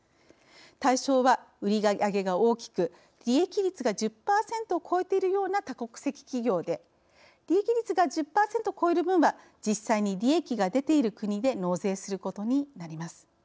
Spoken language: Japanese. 対象は売り上げが大きく利益率が１０％を超えているような多国籍企業で利益率が１０％を超える分は実際に利益が出ている国で納税することになります。